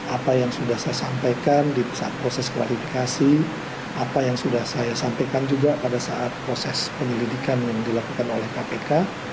apa yang sudah saya sampaikan di saat proses kualifikasi apa yang sudah saya sampaikan juga pada saat proses penyelidikan yang dilakukan oleh kpk